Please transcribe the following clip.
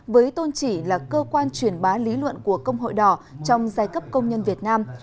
với tôn chỉ là cơ quan chuyển bá lý luận của công hội đỏ trong giai cấp công nhân việt nam